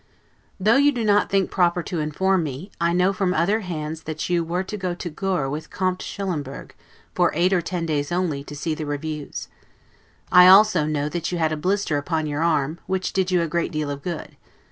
Though you do not think proper to inform me, I know from other hands that you were to go to the Gohr with a Comte Schullemburg, for eight or ten days only, to see the reviews. I know also that you had a blister upon your arm, which did you a great deal of good.